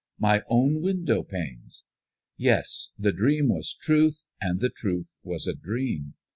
My own window panes! Yes, the dream was truth, and the truth was a dream.